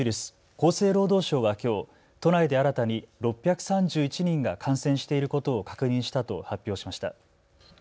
厚生労働省はきょう都内で新たに６３１人が感染していることを確認したと発表しました。